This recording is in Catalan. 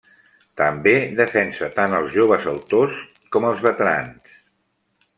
També defensa tant els joves autors com els veterans.